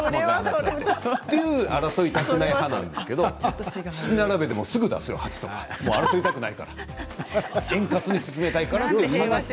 争いたくない派なんですけれど七並べでもすぐ出すよ、８とか争いたくないから円滑に進めたいから。